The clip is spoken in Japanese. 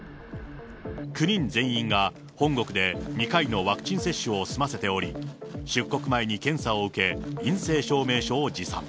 ９人全員が本国で２回のワクチン接種を済ませており、出国前に検査を受け、陰性証明書を持参。